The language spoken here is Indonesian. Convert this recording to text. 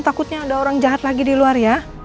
takutnya ada orang jahat lagi di luar ya